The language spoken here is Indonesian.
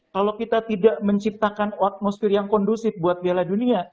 kalau kita tidak menciptakan atmosfer yang kondusif buat piala dunia